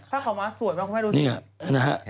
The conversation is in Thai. พระคำม้าสวยมากคุณให้ดูสิ